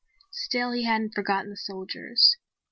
Still he hadn't forgotten the soldiers.